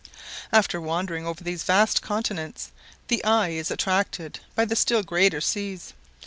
After wandering over these vast continents, the eye is attracted by the still greater seas.